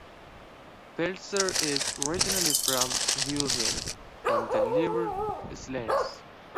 Peltzer is originally from Huahine in the Leeward Islands.